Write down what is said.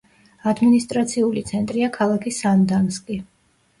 ადმინისტრაციული ცენტრია ქალაქი სანდანსკი.